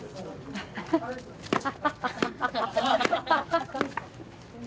アハハハハ。